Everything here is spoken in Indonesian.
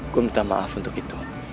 gue minta maaf untuk itu